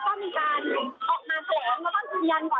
แล้วก็สินยันก่อนหน้านี้แล้วนะคะว่าก็จะปฏิบัติตามพันธรรมแต่ว่า